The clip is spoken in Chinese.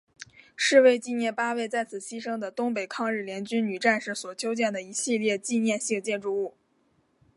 是为纪念八位在此牺牲的东北抗日联军女战士所修建的一系列纪念性建筑物。